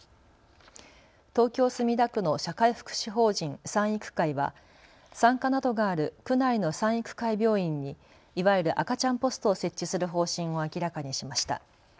東京墨田区の社会福祉法人賛育会は産科などがある区内の賛育会病院にいわゆる赤ちゃんポストを設置する方針を明らかにしました。